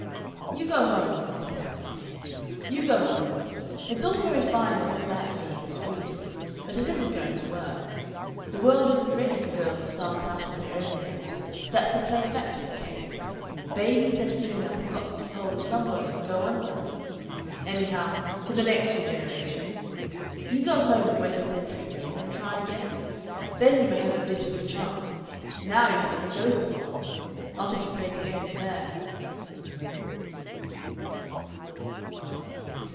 "You go home," he said, at parting; "you go home. It's all very fine and all that, Vee, this freedom, but it isn't going to work. The world isn't ready for girls to start out on their own yet; that's the plain fact of the case. Babies and females have got to keep hold of somebody or go under anyhow, for the next few generations. You go home and wait a century, Vee, and then try again. Then you may have a bit of a chance. Now you haven't the ghost of one not if you play the game fair."